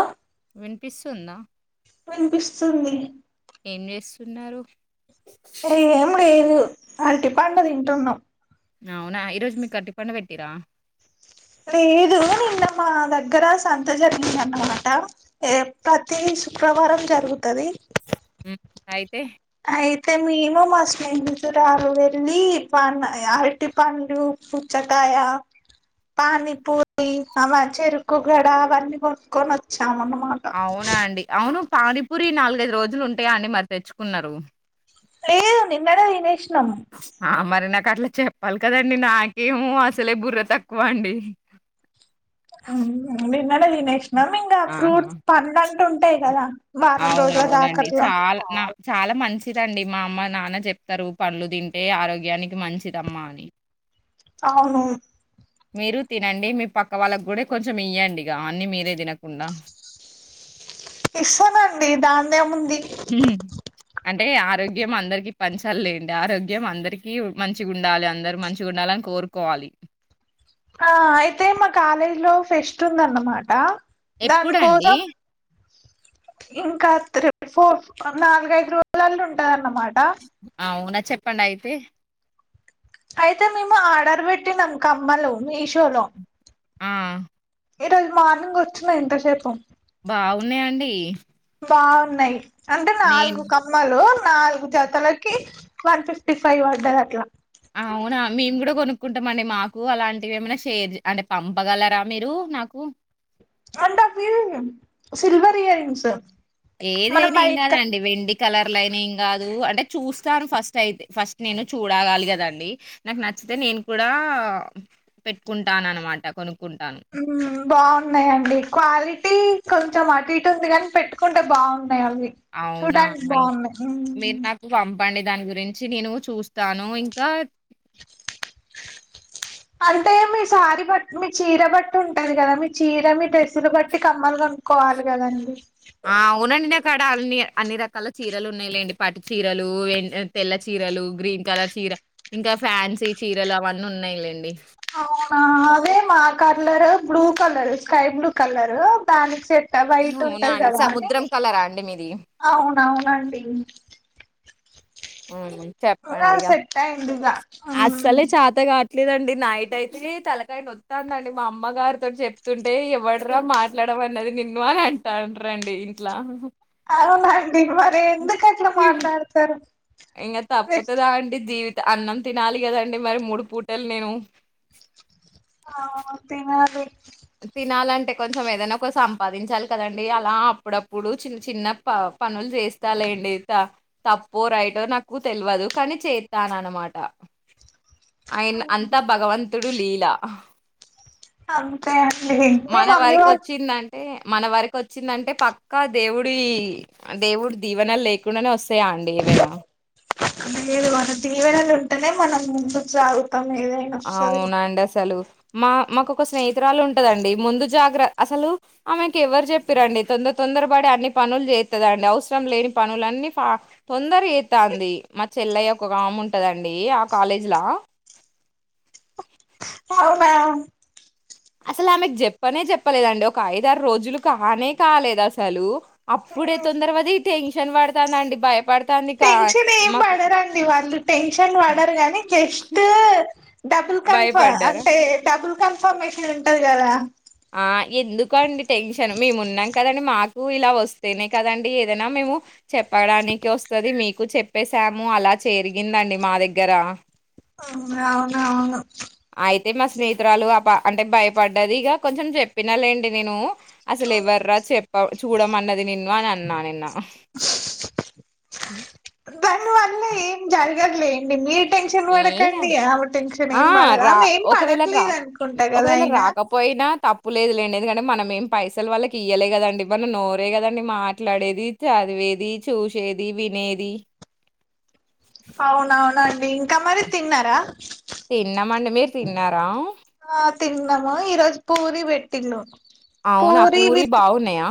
అ వినిపిస్తుందా వినిపిస్తుంది ఏం చేస్తున్నారు అరటిపండు తింటున్నాం అవునా ఈరోజు మీకు అరటిపండు వెట్టిర్రా లేదు నిన్న మా దగ్గర సంత జరిగింది అన్నమాట ఏ ప్రతి శుక్రవారం జరుగుతది ఉమ్ అయితే అయితే మేము మా స్నేహితురాలు వెళ్ళి [unintelligible] అరటి పండు పుచ్చకాయ పానీపూరి అవ చెరుకుగడ అవన్నీ కొట్టుకొని వచ్చ్ అవునా అండి అవును పానీపూరి నాలుగైదు రోజులు ఉంటాయా అండి మరి తెచ్చుకున్నారు లేదు నిన్ననే తినేష్ ఆ మరి నాకట్లే చెప్పాలి కదండి నాకేమో అసలే బుర్ర తక్కువండి అలాగే నెష్ ఆహా కదా వారం రోజుల అవునవునండి దాకట్లా చాలా నా చాలా మంచిదండి మా అమ్మ నాన్న చెప్తారు పండ్లు తింటే ఆరోగ్యానికి మంచిదమ్మా అని అవును మీరు తినండి మీ పక్క వాళ్ళకు కూడా కొంచెం ఇయ్యండి ఇగా అన్ని మీరే తినకుండా ఇస్తానండి దాందేముంది అంటే ఆరోగ్యం అందరికి పంచాలేండి ఆరోగ్యం అందరికి మంచిగా ఉండాలి అందరు మంచిగా ఉండాలని కోరుకోవాలి ఆ అయితే మా కాలేజీ లో ఫెస్ట్ ఉందన్నమాట దాని ఎప్పుడండి కోసం ఇంకా త్రి ఫోర్ నాలుగైదు రోజులల్లో ఉంటాదన్నమాట అవున చెప్పండి అయితే అయితే మేము ఆర్డర్ పెట్టినాం కమ్మలు మీ షోలో మ్మ్ ఈ రోజు మార్నింగ్ వచ్చిన ఇంతసేపూ బాగున్నాయండి బావున్నాయి అంటే నాలుగు కమ్మలు నాలుగు జతలకి వన్ ఫిఫ్టీ ఫైవ్ వడ్డదట్లా కొనుక్కుంటామండి మాకు అలాంటివి ఏమైనా షేర్ అంటే పంపగలరా మీరు నాకు అంటే అవి సిల్వర్ ఇయరింగ్స్ ఏది అయినా ఏం గాదండి వెండి కలర్ లైనింగ్ కాదు అంటే చూస్తాను ఫస్ట్ అయితే ఫస్ట్ నేను చూడగాలి కదండి నాకు నచ్చితే నేను కూడా పెట్టుకుంటాను అనమాట కొను హ్మ్ బావున్నాయండి క్వాలిటీ కొంచెం అటు ఇటు ఉంది గాని పెట్టుకుంటే బాగు న్నయ్ అవి అవునా! చూడ్డానికి బావున్నాయ్ ప్పండి దాని గురించి నేను చూస్తాను ఇంకా అంటే మీ సారి బట్టి మీ చీర బట్టి ఉంటంది కదా మీ చీర మీ డ్రెస్సులు బట్టి కమ్మలు కనుక్కోవాలి కదండి ఆ అవునండి అక్కడ అన్ని అన్ని రకాల చీరలు ఉన్నాయిలేండి పట్టు చీరలు తెల్ల చీరలు గ్రీన్ కలర్ చీర ఇంకా ఫ్యాన్సీ చీరలు అవన్నీ ఉన్నాయిలేండి ఆ అదే మా curler blue colour sky blue colour దానికి సెట్ క్క బయట అవునా ఉంటది అండి కదా అని సముద్రం కలరా అండి మీది? అవునవునండి ఊ ఇంకా చెప్పండిగా సెట్ అయింది ఇక మ్మ్ అస్సలే చతగా లేదండి నైట్ అయితే తలకాయనోత్తందండి మా అమ్మ గారితోని చెప్తుంటే ఎవ్వడ్రా మాట్లాడమన్నది నిన్ను అని అంటండ్రండి ఇంట్లా అవునండి మరి ఎందు ఉ ఇగ తప్పుతదా అండి జీవి అన్నం తినాలి కదండి మరి మూడు పూటలు నేను ఆ తినాలి తినాలంటే కొంచెం ఏదైనా ఒక సంపాదించాలి కదండి అలా అప్పుడప్పుడు చిన్న చిన్న ప పనులు చేస్తాలండి త తప్పో రైటో నాకు తెల్వదు కానీ చేతననమాట అయిన్ అంతా భగవం తుడు లీలా అంతే అండి మీ మన మమ్మీ వారికి వాళ్ళు వచ్చిందంటే మన వరకి వచ్చిందంటే పక్కా దేవుడు ఈ దేవుడు దీవెనలు లేకుండానే వస్ [unintelligible] అదే మ దీవనలుం టనే మనం ముందు సాగు అవునండి అసలు మా మాకొక స్నేహి త్రాలు ఉంటదండి ముందు జాగ్ర అసలు ఆమెకి ఎవ్వరు చెప్పిరండి తొందర తొందర పడి అన్ని పనులు చేతదండి అవసరం లేని పనుల అన్ని ఫ తొందర చేతంది మా చెల్లయ్య ఒక గముంటదండి ఆ కాలేజీలా అవునా అసలు ఆమెకు చెప్పనే చెప్పలేదండి ఒక ఐదారోజులు కానే కాలేదు అసలు అప్పుడే తొందర వది టెన్ న్ పడతానండి భయపడ్ టెన్షన్ ఏం పడరండి వాళ్ళు టెన్షన్ పడరు గానీ జస్ట్ డబుల్ కన్ఫ భయపడ్డారా అంటే డబుల్ కన్ఫ న్ఫమేషన్ ఉంటది కదా ఆ ఎందుకు అండి టెన్షన్ మేమున్నాం కదండి మాకు ఇలా వస్తేనే కదండి ఏదైనా మేము చెప్పడానికి వస్తది మీకు చెప్పేసాము అలా చేరిగిందండి మా దగ్గర అవున అవునవును అయితే మా స్నేహితురాలు ఆప అంటే భయపడ్డది ఇగ కొంచెం చెప్పిన లేండి నేను అసలు ఎవర్రా చెప్ప చూడమన్నది నిన్ను అని అ నా నిన్న [unintelligible] ఉ దని వల్ల ఏం జరగద్ లేండి మీరు టెన్షన్ ఏం గా పడకండి ఆమె టెన్షన్ ఆ! ఏం పడ రా ఆమె ఏం ఒకవేళ రా పడట్లేదు అనుకుంటా కదా అయిన ప్పు లేదులేండి ఎందుకంటే మనం ఏం పైసలు వాళ్ళకి ఇయ్యలే కదండి మనం నోరే కదండి మాట్లాడేది చదివేది చూసేది వినేది అవునవునండి ఇంకా మరి తిన్నారా తిన్నమండి మీర్ తిన్నారా ఆ తిన్నము ఈ రోజు పూరి పెట్టిండు అవునా పూరి బావున్నాయా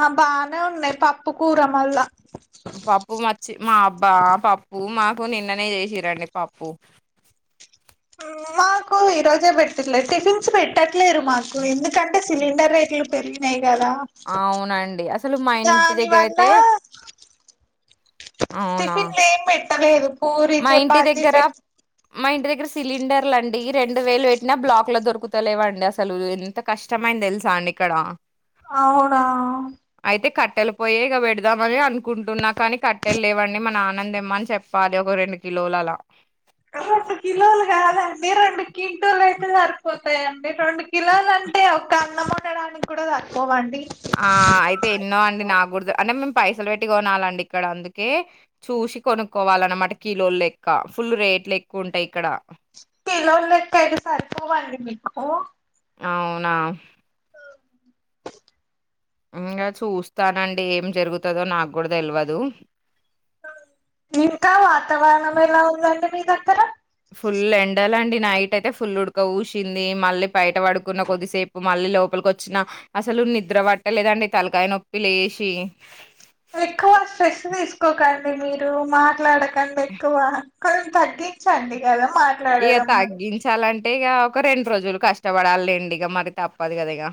ఆ బానే ఉన్నాయ్ పప్పు కూర వల్ల బా పప్పు మాకు నిన్ననే చేసిరండి పప్పు మాకు ఈరోజే పెట్టిండ్లే టిఫిన్స్ పెట్టట్ ట్లేరు మాకు ఎందుకంటే సిలిండర్ రేట్లు పెరిగినయి అవునండి అసలు మా ఇంటి దాని దగ్గర వల్ల అయితే అవునా టిఫిన్ లేం పెట్ టలేదు పూరి మా ఇంటి చపాతి దగ్గర పెట్ మా ఇంటి దగ్గర సిలిండర్లు అండి రెండు వేలు పెట్టినా బ్లాక్ లో దొరుకుతలేవండి అసలు ఎంత కష్టమైంది తెలుసా అండి ఇక్కడ అవునా అయితే కట్టెలు పోయే ఇక పెడదామని అనుకుంటున్నా కానీ కట్టెలు లేవండి మా నాననితెమ్మని చెప్పాలి ఒక రెండు కిలోలలా రెండు కిలోలు కాదండి రెండు క్వింటోలు అయితే సరిపోతాయండి రెండు కిలోలు అంటే ఒక అన్నం ఉండడానికి కూడా సరిపోవండి ఆ అయితే ఎన్నో అండి నాగు అంటే మేము పైసలు పెట్టి కొనాలండి ఇక్కడ అందుకే చూసి కొనుక్కోవాలన్నమాట కిలోలు లెక్క ఫుల్ రేట్లు ఎక్కువ ఉంటాయి ఇక్కడ కిలోలెక్క అయితే సరిపోవండి మీకు అవునా ఇంకా చూస్తానండి ఏం జరుగుతదో నాకు కూడా తెలియదు నింకా వాతవరణమెల ఉందండి మీదగ్గర ఇట్యితే ఫుల్ ఉడక ఊసింది మళ్ళీ బయట పడుకున్న కొద్దిసేపు మళ్ళీ లోపలికొచ్చిన అసలు నిద్ర పట్టలేదండి తలకాయ నొప్పి లేసి ఎక్కుకండి మీరు మాట్లాడకండెక్కువ కొంచెం తగ్గించండి కదా ఈయ మాట్లాడడం మరి తగ్గించాలన్ అంటేక ఒక రెండు రోజులు కష్టపడాలి లేండి ఇక మరి తప్పదు కదా ఇగ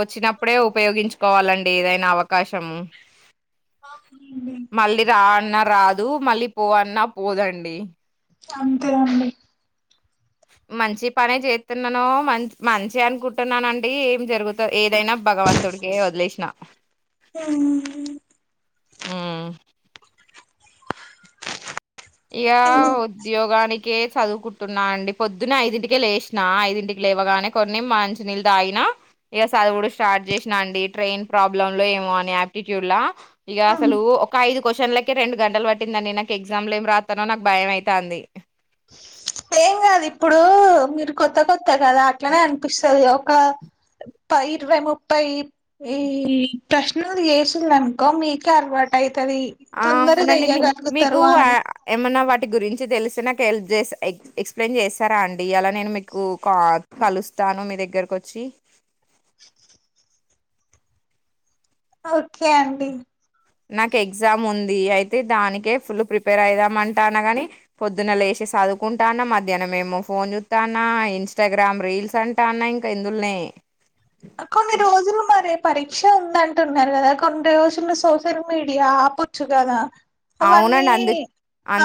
వచ్చినప్పుడే ఉపయోగించుకోవాలండి ఏదైనా అవకాశము అవునండి మళ్ళీ రా అన్నారు రాదు మళ్ళీ పో అన్నా పోదండి అంతే అండి మంచి పనే చేస్తున్నానో మన్ మంచి అనుకుంటున్నానండి ఏం జరుగుతు ఏదైనా భగవంతుడికే వదిలేసిన ఇక ఉద్యోగానికి కే చదువుకుంటున్నా అండి పొద్దున్న ఐదింటికే లేసిన ఐదింటికి లేవగానే కొన్ని మంచ నీళ్ళు తాగిన ఇక చదువుడు స్టార్ట్ చేసినా అండి ట్రైన్ ప్రాబ్లమ్ లో ఏమో అని ఆయాప్టిట్యూడ్ ల ఇక అసలు ఒక ఐదు క్వ్చన్లకె రెండు గంటలు పట్టిందండి నాకు ఎగ్జామ్ లో ఏం రాత్ తనో నాకు భయంమయితంది ఏం కాదు ఇప్పుడు మీరు కొత్త కొత్త కదా అట్లనే అనిపిస్తుది ఒక ప ఇరవై ముప్పై ఈ ప్రశ్నలు చేస్తుంది అనుకో మీకే అర్వాటు అయితు ఆ అవునండి మీక్ మీకు ఏమన్నా వాటి గురించి తెలిస నాకు హెల్ప్ చే ఎ ఎక్స్ప్లెయిన్ చేస్తారా అండి అలా నేను మీకు కా కలుస్తాను మీ దగ్గరకు వచ్చి ఓకే అండి నాకు ఎగ్జామ్ ఉంది అయితే దానికే ఫుల్ ప్రిపేర్ అయిదాం అంటా అన్నా గాని పొద్దున్న లే వేసే చదువుకుంటా అన్న మధ్యాహ్నం మేము ఫోన్ చుస్తా అన్న ఇన్స్టాగ్రామ్ రీల్స్ అంటా అన్న ఇంక ఎందుల్నే కొన్ని రోజులు మరే పరీక్ష ఉందంటున్నారు కదా కొన్ని రోజులు సోషల్ మీడియా ఆప వచ్చు కదా అవునండి అవన్నీ అందు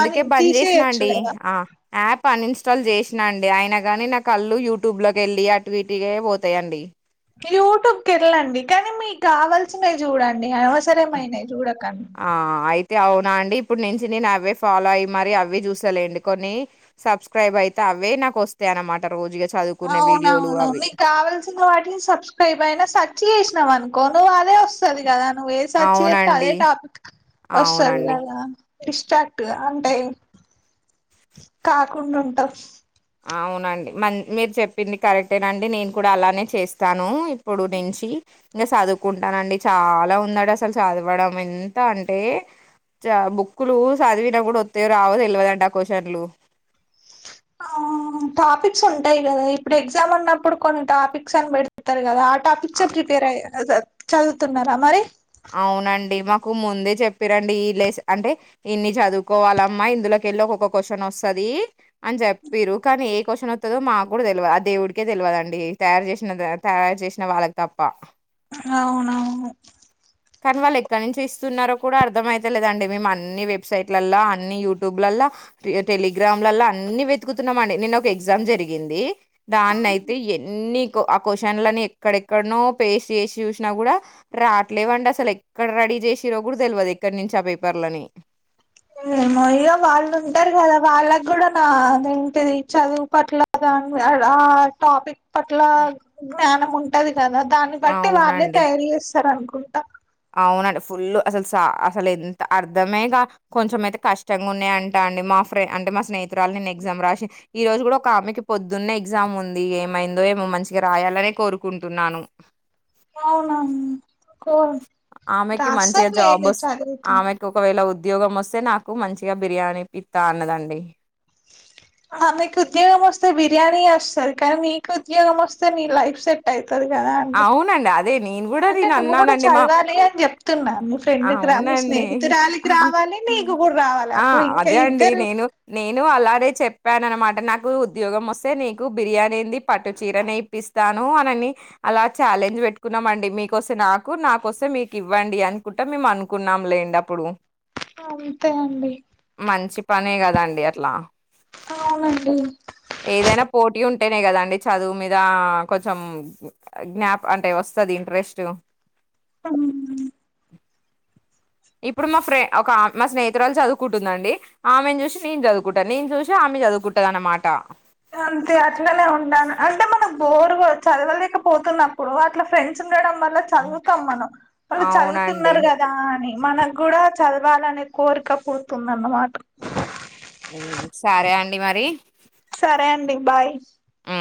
అని బంద్ చేసినా తీసేయొచ్చు అండి కదా హా యాప్ పని ఇన్స్టాల్ చేసినా అండి అయన గాని నా కళ్లు యూట్యూబ్ లోకి వెళ్ళి అటు ఇటుక పోతాయండి యూట్యూబ్కి వెలండి కానీ మీకు కావాల్సినవి చూడం డి అన్వస్రమ్ అయినవి చూడకన తే అవునా అండి ఇప్పుడు నుంచి నేను అవే ఫాలో అయ్యి మరి అవవి చూసలేండి కొన్ని సబ్స్క్రైబ్ అయితే అవే నాకు వస్తాయియ అనమాట రోజుగా చదువుకునే వీడియోలు అవునవును అవి నీకు కావల్సిన వాటిని సబ్స్క్రైబ్ అయినా సచ్ చేసినావు అను కొను అనే వస్తుంది క నువ ఏసచ్చి ఎతే అదే అవునండి టాపిక్ వస్తురి అవునండి కదా ఇష్టక్ట్ అంటే కాకుండా ఉంటాం అవునండి మ మీరు చెప్పింది కరెక్టేనండి నేను కూడా అలానే చేస్తాను ఇప్పుడు నుంచి ఇంకా చదువుకుంటానండి చాలా ఉందడు అసలు చదవడం ఎంత అంటే చ బుక్కులు చదివినా కూడా వస్తే రావు తెలియదండి ఆ క్వశ్చన్లు ఆ టాపిక్స్ ఉంటాయి కదా ఇప్పుడు ఎగ్జామ్ ఉన్నప్పుడు కొన్ని టాపిక్స్ అని పెడతారు కదా ఆ టాపక్చ ప్రిపేయర్ చదువుతున్నారా మరి అవునండి మా కు ముందే చెప్పిరండి ఇల అంటే ఇన్ని చదువుకోవాలమ్మా ఇందులోకెళ్ళి ఒక్కొక్క క్వశ్చన్ వస్తుది అని చెప్పారు కానీ ఏ క్వశ్చన్ వస్తుందో మాకు తెలియదు ఆ దేవుడికే తెలియదండి తయారు చేసిన తయారు చేసిన వాళ్ళకి తప్ప అవునవును కానీ వాళ్ళు ఎక్కడ నుంచి ఇస్తున్నారో కూడా అర్థం అయితలేదండి మేము అన్ని వెబ్సైట్లలో అన్ని యూట్యూబ్లలా టెలిగ్రామ్లలో అన్ని వెతుకుతున్నామ అండి నేను ఒక ఎగ్జామ్ జరిగింది దాన్న అయితే ఎన్ని ఆ కుషన్ని ఎక్కడెక్కడనో పేస్ట్ చేసి చూసినా కూడా రా అట్లేవండి అసలు ఎక్కడ రెడీ చేసి రో కూడా తెలియదు ఎక్కడి నుంచి ఆ పేపర్లని ఏమో ఇగో వాళ్ళు ఉంటారు కదా వాళ్ళకి కూడా నాదేంటిది చదువు పట్లదు అని ఆ టాపిక్ పట్లా జ్ఞానం ఉంటాది కదా దాన్ని బట్టి వాళ్ళే అవునండి తయారు చేస్తారు అనుకో కుంటా అవునండి ఫుల్ అసలు అసలు ఎంత అర్ధమేగా కొంచెం అయితే కష్టంగా ఉన్నా అంటా అండి మా ఫ్రెం అంటే మా స్నేహితురాలు నేను ఎగ్జామ్ రాసి ఈ రోజు కూడా ఒక ఆమెకి పొద్దున్న ఎగ్జామ్ ఉంది ఏమైందో ఏమో మంచిగా రాయాలనే కోరుకుంటున్నాను అవునా కో ఆమెకి మంచిగా రాస్తారులే జాబస్ చదివితే ఆమెకి ఒకవేళ వ ఉద్యోగం వస్తే నాకు మంచిగా బిర్యానీ పిత్తా అన్నదండి ఆ మీకు ఉద్యోగం వస్తే బిర్యానీ వస్తారు కానీ మీకు ఉద్యోగం వస్తే నీ లైఫ్ సెట్ అవు ది కదా అండి అవునండి. అదే నేను గూడా అంటే నువ్వు కూడా నేనన్నానండి మా చదవాలి అని చెప్తున్నా మీ ఫ్రెండ్కి రా మీ అవునండి. స్నేహితురాలికి రావాలి నీకు కూడా రావాలి ఆ! అప్పుడు ఇంకా ఇద్దరు చెప్పాన అనమాట నాకు ఉద్యోగం వస్తే నీకు బిర్యానీంది పట్టు చీరనే ఇప్పిస్తాను అనని అలా ఛాలెంజ్ పెట్టుకున్నామ అండి మీక వస్తే నాకు నాకొస్తే మీకు ఇవ్వండి అనుకుంటా మేము అనుకున్నాంలేండి అప్పుడు అంతే అండి మంచి పనే కదండి ఎట్లా అవునండి అంటేనే కదండి చదువు మీద కొంచెం జ్ఞాప్ అంటే వస్తుది ఇంట్రెస్ట్ ఉహు ఇప్పుడు మా ఫ్రెం ఒక మా స్నేహితురాళ్ళు చదువుకుంటుందండి ఆమెను చూసి నేను చదువుకుంటాను నేను చూసి ఆమె చదువుకుంటాంది అనమాట అంతే అట్లానే ఉండాను అంటే మనం బోర్గా చదవలేకపోతున్నప్పుడు అట్లా ఫ్రెండ్స్ ఉండడం వల్ల చదువుతాం మనం వాళ్ళు అవునండి చదువుతున్నారు కదా అని మనకు కూడా చదవాలనే కోరిక పోతుంది అన్నమాట ఉమ్, సరే అండి మరి సరే అండి బాయ్ హు